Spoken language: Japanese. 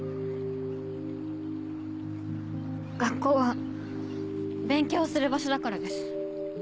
学校は勉強をする場所だからです。